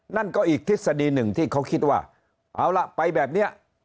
นั่นก็อีกทฤษฎีหนึ่งที่เขาคิดว่าเอาล่ะไปแบบนี้